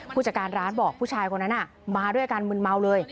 ผู้จัดการร้านบอกผู้ชายคนนั้นมาด้วยการมึนเมาเลย